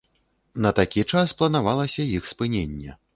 На такі час планавалася іх спыненне.